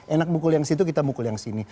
enak bukul yang situ kita bukul yang sini